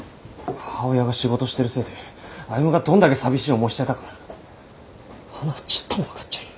母親が仕事してるせいで歩がどんだけ寂しい思いしてたかはなはちっとも分かっちゃいん。